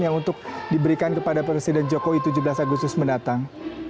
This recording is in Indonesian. yang untuk diberikan kepada presiden jokowi tujuh belas agustus mendatang